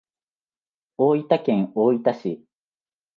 大分県大分市